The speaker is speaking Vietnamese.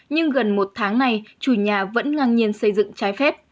nhưng gần một tháng này chủ nhà vẫn ngang nhiên xây dựng trái phép